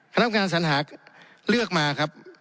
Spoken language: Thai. คณับการสัญหาเลือกมาครับ